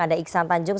anda iksan tanjung